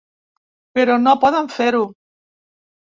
Però no poden fer-ho.